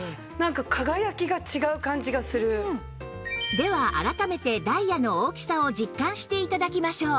では改めてダイヤの大きさを実感して頂きましょう